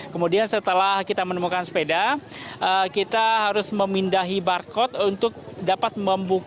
kemudian setelah kita menemukan sepeda kita harus memindahi barcode untuk dapat membuka